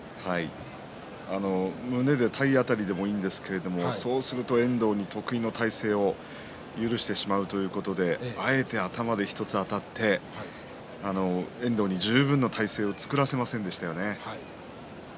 胸で体当たりでもいいんですけどそうすると遠藤得意の体勢を許してしまうということであえて頭で１つあたって遠藤に十分な体勢を作らせませんでしたね。